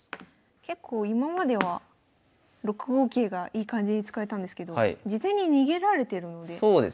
結構今までは６五桂がいい感じに使えたんですけど事前に逃げられてるので。